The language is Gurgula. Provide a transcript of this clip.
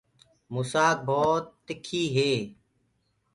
مُسآڪ ڀوت تِکي تي۔